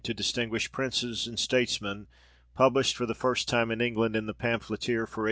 to distinguished Princes and Statesmen, published for the first time in England in The Pamphleteer for 1821.